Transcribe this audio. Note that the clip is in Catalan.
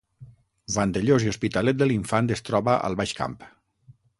Vandellòs i Hospitalet de l’Infant es troba al Baix Camp